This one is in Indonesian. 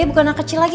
bukan anak kecil lagi